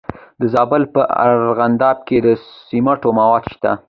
د زابل په ارغنداب کې د سمنټو مواد شته.